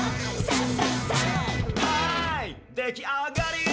「はいできあがり！」